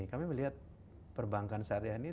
kami melihat perbankan syariah ini